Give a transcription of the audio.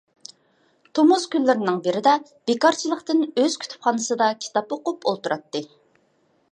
تومۇز كۈنلىرىنىڭ بىرىدە، بىكارچىلىقتىن ئۆز كۇتۇپخانىسىدا كىتاب ئوقۇپ ئولتۇراتتى.